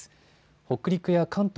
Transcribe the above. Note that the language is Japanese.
北陸や関東